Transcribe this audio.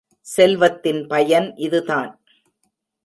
செல்வத்தின் பயன் இதுதான்.